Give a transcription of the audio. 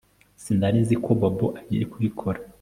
Sinari nzi ko Bobo agiye kubikora